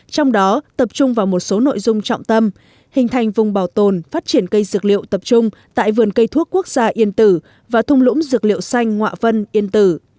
trong đó tập trung vào một số nội dung trọng tâm hình thành vùng bảo tồn phát triển cây dược liệu tập trung tại vườn cây thuốc quốc gia yên tử và thung lũng dược liệu xanh ngoạ vân yên tử